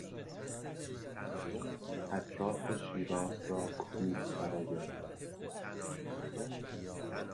اطراف شیراز را کوه فرا گرفته است.